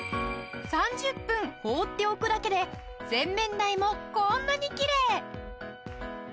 ３０分放っておくだけで洗面台もこんなにキレイ！